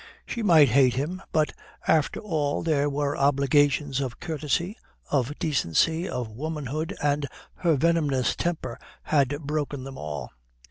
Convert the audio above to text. She might hate him; but after all there were obligations of courtesy, of decency, of womanhood, and her venomous temper had broken them all.